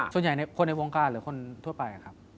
ส่วนใหญ่คนในวงการหรือคนทั่วไป